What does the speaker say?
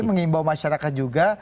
mengimbau masyarakat juga